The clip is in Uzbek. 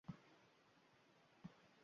Shunda onasi o‘zini oqlashga tushdi